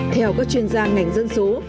theo các chuyên gia ngành dân số